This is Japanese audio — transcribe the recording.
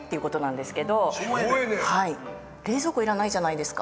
冷蔵庫要らないじゃないですか。